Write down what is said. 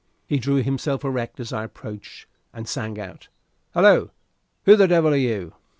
He drew himself erect as I approached, and sang out, "Hallo! who the devil are you?"